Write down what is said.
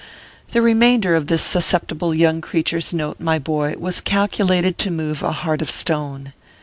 The remainder of this susceptible young creature s note, my boy, was calculated to move a heart of stone.